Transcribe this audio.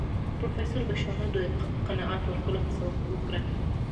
پروفيسر په اشارو د قناعت ورکولو هڅه وکړه.